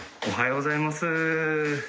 おはようございます。